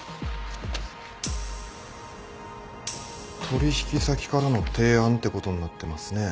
取引先からの提案ってことになってますね。